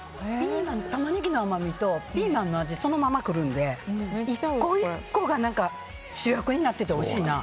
タマネギの甘みとピーマンの味がそのままくるので１個１個が主役になってておいしいな。